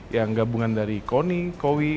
yang gabungan dari koni kowi